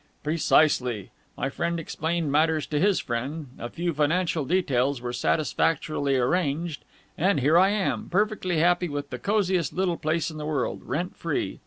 "Precisely. My friend explained matters to his friend a few financial details were satisfactorily arranged and here I am, perfectly happy with the cosiest little place in the world, rent free.